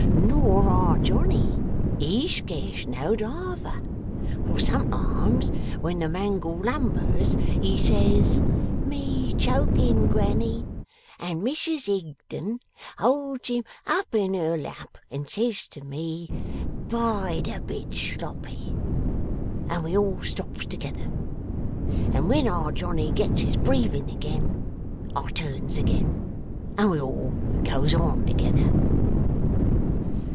Nor Our Johnny, he scarce know'd either, for sometimes when the mangle lumbers he says, "Me choking, Granny!" and Mrs Higden holds him up in her lap and says to me "Bide a bit, Sloppy," and we all stops together. And when Our Johnny gets his breathing again, I turns again, and we all goes on together.